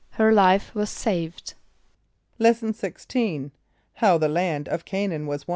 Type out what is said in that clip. =Her life was saved.= Lesson XVI. How the Land of Canaan was Won.